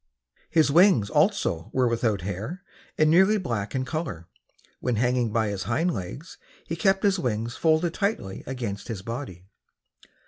His wings also were without hair and nearly black in color. When hanging by his hind legs he kept his wings folded tightly against his body.